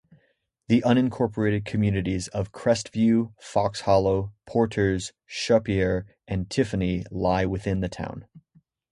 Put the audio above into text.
The unincorporated communities of Crestview, Foxhollow, Porters, Shopiere, and Tiffany lie within the town.